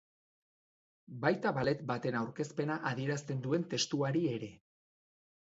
Baita ballet baten aurkezpena adierazten duen testuari ere.